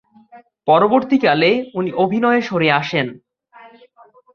পরবর্তীকালে উনি অভিনয়ে সরে আসেন।